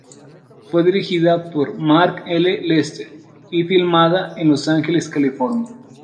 Fue dirigida por Mark L. Lester y filmada en Los Ángeles, California.